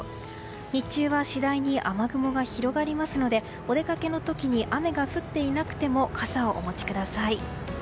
日中は次第に雨雲が広がりますのでお出かけの時に雨が降っていなくても傘をお持ちください。